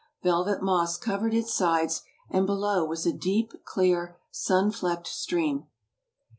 Velvet moss covered its sides and below was a deep, clear, sun flecked stream.